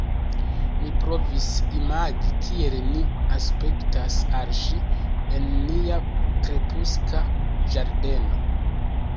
Mi provis imagi, kiel ni aspektas al ŝi, en nia krepuska ĝardeno.